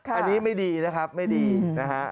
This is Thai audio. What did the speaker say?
อันนี้ไม่ดีนะครับไม่ดีนะฮะ